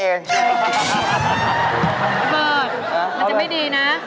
ระเบิดมันจะไม่ดีนะ